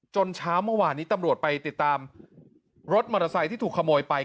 เช้าเมื่อวานนี้ตำรวจไปติดตามรถมอเตอร์ไซค์ที่ถูกขโมยไป